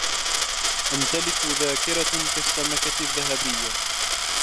أمتلك ذاكرة كالسمكة الذهبية.